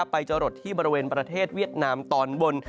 ไปจรดที่บริเวณประเทศเวียดนามตอนบน